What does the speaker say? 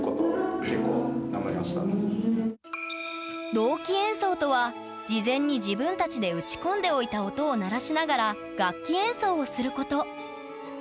同期演奏とは事前に自分たちで打ち込んでおいた音を鳴らしながら楽器演奏をすること。